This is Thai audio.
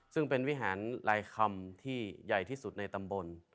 ซึ่งเป็นวิหารลายคำที่ใหญ่ที่สุดในตำบล